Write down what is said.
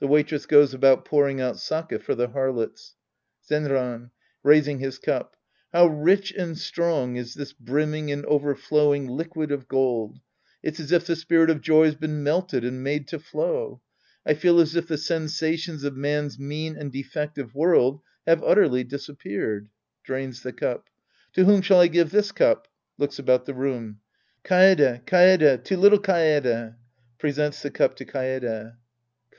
{^he Waitress goes about pouring out sake for the Harlots!) Zenran {raising his cup). How rich and strong is tills brimming and overflowing liquid of gold ! It's as if the spirit of joy's been melted and made to flow. I feel as if the sensations of man's mean and defective world have utterly disappeared. {Drains the cup.) To whom shall I give this cup ? {Looks about the room.) Kae'He, Kaede. To little Kaede. {Presents the cup to Kaedf,) Sc.